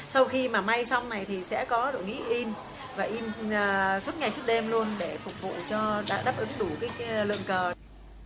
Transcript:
sau khi mà may xong này thì sẽ có độ nghĩ in và in suốt ngày suốt đêm luôn để phục vụ cho đáp ứng đủ lượng cờ